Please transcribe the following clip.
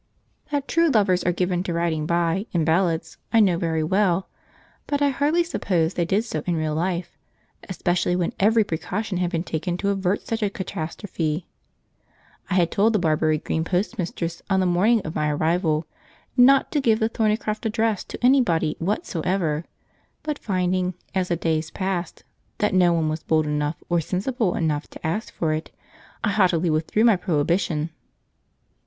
That true lovers are given to riding by, in ballads, I know very well, but I hardly supposed they did so in real life, especially when every precaution had been taken to avert such a catastrophe. I had told the Barbury Green postmistress, on the morning of my arrival, not to give the Thornycroft address to anybody whatsoever, but finding, as the days passed, that no one was bold enough or sensible enough to ask for it, I haughtily withdrew my prohibition.